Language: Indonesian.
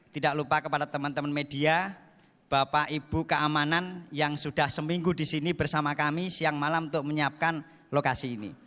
tidak lupa kepada teman teman media bapak ibu keamanan yang sudah seminggu di sini bersama kami siang malam untuk menyiapkan lokasi ini